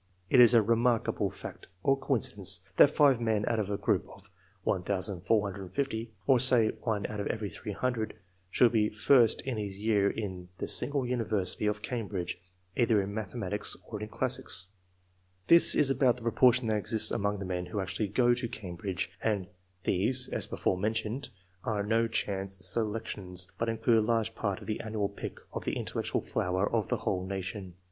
It is a remarkable I.] ANTBCBDB2rF& 69 fact or coincidenoe, that 5 men out of a group of 1,450, or say 1 out of every 300, should be first of his year in the single university of Cambridge, either in mathematics or in classics. This is about the proportion that exists among the men who actually go to Cambridge, and these, as before mentioned, are no chance selec tions, but include a large part of the annual pick of the intellectual flower of the whole nation.